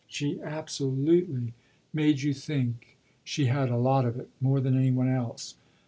She absolutely made you think she had a lot of it, more than any one else.